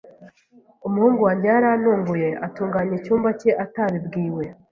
Umuhungu wanjye yarantunguye atunganya icyumba cye atabibwiwe.